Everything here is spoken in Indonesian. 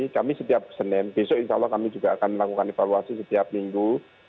kami setiap senin besok insya allah kami juga akan melakukan evaluasi setiap minggu